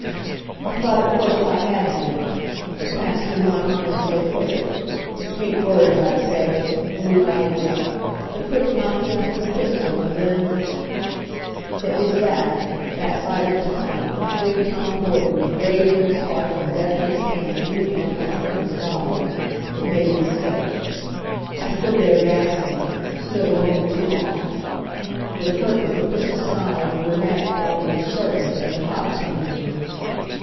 I thought at first I had done it it passed through my mind so quick; the sweet words I'd say the move I'd make the quick knocking up of the pistol, and then It was that that sight of Tom, big Tom Dorgan, with rage in his heart and death in his hand, leaping on that cripple's body it made me sick! I stood there gasping stood a moment too long. For the curtains were pushed aside, and Burnett, Latimer's servant, and the cop came in.